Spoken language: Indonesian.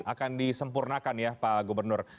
akan disempurnakan ya pak gubernur